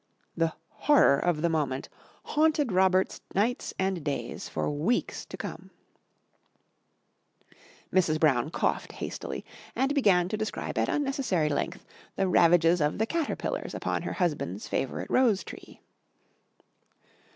The horror of the moment haunted Robert's nights and days for weeks to come. Mrs. Brown coughed hastily and began to describe at unnecessary length the ravages of the caterpillars upon her husband's favourite rose tree.